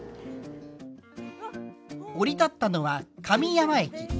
降り立ったのは神山駅。